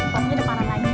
pasti depan lagi